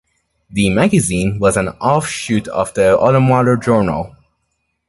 The magazine was an offshoot of The Automotor Journal.